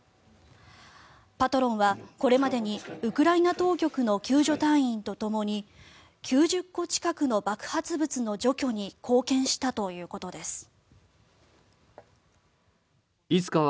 パトロンはこれまでにウクライナ当局の救助隊員とともに９０個近くの爆発物の除去に貢献したということです。